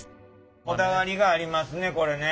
こだわりがありますねこれね。